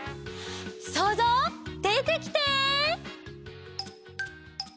そうぞうでてきて！